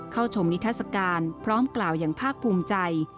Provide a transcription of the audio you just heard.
เข้าชมนิทัศกาลพร้อมกล่าวอย่างภาคภูมิใจ